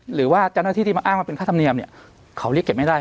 หรือว่าเจ้าหน้าที่ที่มาอ้างว่าเป็นค่าธรรมเนียมเนี่ยเขาเรียกเก็บไม่ได้